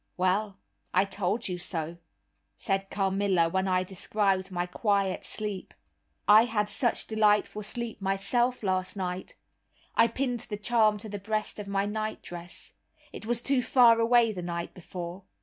"Well, I told you so," said Carmilla, when I described my quiet sleep, "I had such delightful sleep myself last night; I pinned the charm to the breast of my nightdress. It was too far away the night before.